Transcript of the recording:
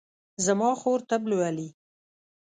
زما خور طب لولي